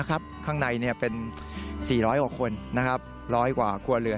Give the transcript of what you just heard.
ข้างในเป็น๔๐๐กว่าคน๑๐๐กว่าครัวเรือน